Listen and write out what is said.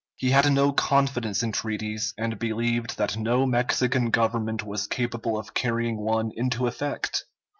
He had no confidence in treaties, and believed that no Mexican government was capable of carrying one into effect.